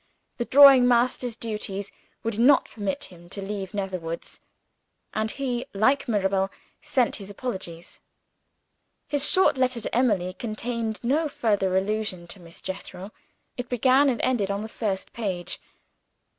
The drawing master's du ties would not permit him to leave Netherwoods; and he, like Mirabel, sent his apologies. His short letter to Emily contained no further allusion to Miss Jethro; it began and ended on the first page.